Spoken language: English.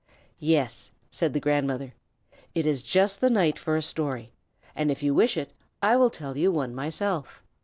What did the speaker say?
"Yes!" said the grandmother. "It is just the night for a story; and if you wish it, I will tell you one myself."